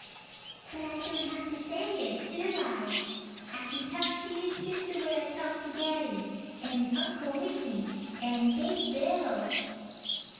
(But I don't have to say it, do I? I can talk to you just the way I talk to Daddy and Uncle Whitney and Big Bill).